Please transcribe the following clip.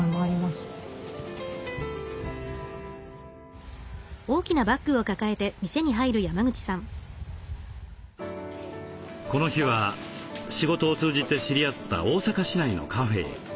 この日は仕事を通じて知り合った大阪市内のカフェへケーキの納品です。